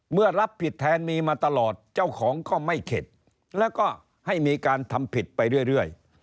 รับผิดแทนมีมาตลอดเจ้าของก็ไม่เข็ดแล้วก็ให้มีการทำผิดไปเรื่อย